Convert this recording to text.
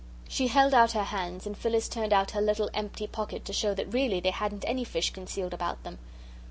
She held out her hands and Phyllis turned out her little empty pocket to show that really they hadn't any fish concealed about them.